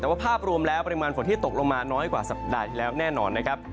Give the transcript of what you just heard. แต่ว่าภาพรวมแล้วปริมาณฝนที่ตกลงมาน้อยกว่าสัปดาห์ที่แล้วแน่นอนนะครับ